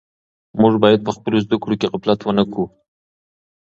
موږ باید په خپلو زده کړو کې غفلت ونه کړو.